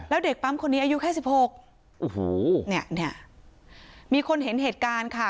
แล้วเด็กปั๊มคนนี้อายุแค่สิบหกโอ้โหเนี่ยมีคนเห็นเหตุการณ์ค่ะ